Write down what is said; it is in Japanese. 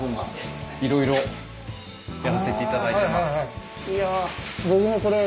いろいろやらせて頂いてます。